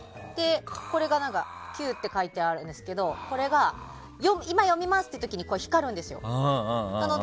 これがキューって書いてあるんですけどこれが今読みますっていう時に光るんです。